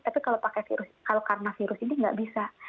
tapi kalau pakai virus kalau karena virus ini nggak bisa